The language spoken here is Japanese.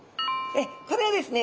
これはですね